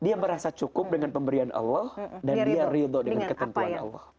dia merasa cukup dengan pemberian allah dan dia ridho dengan ketentuan allah